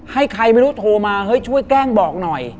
ให้ใครไม่รู้โทรมาเฮ้ยช่วยแกล้งบอกหน่อย